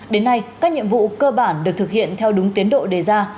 đến nay các nhiệm vụ cơ bản được thực hiện theo đúng tiến độ đề ra